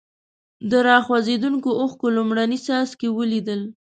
د را خوځېدونکو اوښکو لومړني څاڅکي ولیدل.